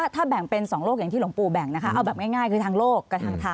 ถ้าแบ่งเป็น๒โลกอย่างที่หลวงปู่แบ่งนะคะเอาแบบง่ายคือทางโลกกับทางธรรม